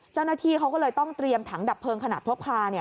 เจ้าหน้าที่เขาก็เลยต้องเตรียมถังดับเพลิงขนาดพกพา